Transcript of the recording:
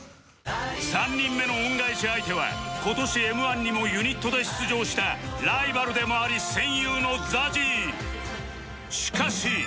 ３人目の恩返し相手は今年 Ｍ−１ にもユニットで出場したライバルでもあり戦友の ＺＡＺＹ